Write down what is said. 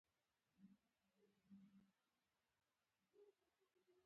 ایا ستاسو ویره ختمه شوه؟